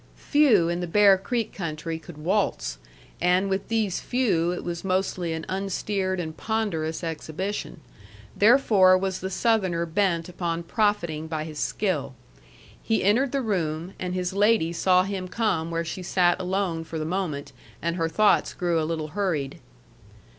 Few in the Bear Creek Country could waltz, and with these few it was mostly an unsteered and ponderous exhibition; therefore was the Southerner bent upon profiting by his skill. He entered the room, and his lady saw him come where she sat alone for the moment, and her thoughts grew a little hurried.